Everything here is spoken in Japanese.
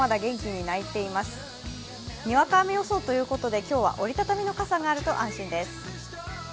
にわか雨予想ということで折りたたみの傘があると安心です。